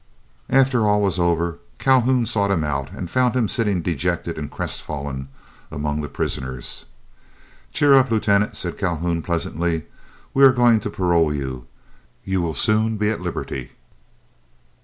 After all was over Calhoun sought him out, and found him sitting dejected and crestfallen among the prisoners. "Cheer up, Lieutenant," said Calhoun, pleasantly; "we are going to parole you. You will soon be at liberty."